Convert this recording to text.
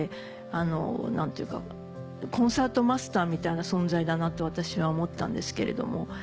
何というかコンサートマスターみたいな存在だなと私は思ったんですけれども。